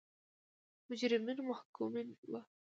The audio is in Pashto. مجرمین محکومین وو.